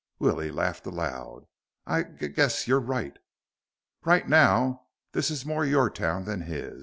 Willie laughed aloud. "I g guess you're right." "Right now this is more your town than his.